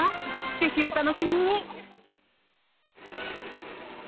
ぜひお楽しみに。